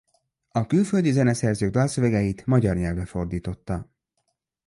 A külföldi zeneszerzők dalszövegeit magyar nyelvre fordította.